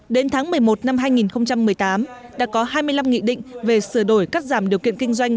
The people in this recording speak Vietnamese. đến tháng một mươi một năm hai nghìn một mươi tám đã có hai mươi năm nghị định về sửa đổi cắt giảm điều kiện kinh doanh